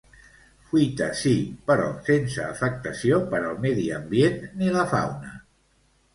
Fuita sí, però sense afectació per al medi ambient ni la fauna.